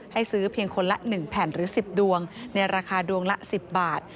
ให้ซื้อเพียงคนละหนึ่งแผ่นหรือสิบดวงในราคาดวงละสิบบาท